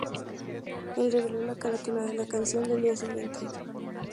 El reveló la carátula de la canción al día siguiente.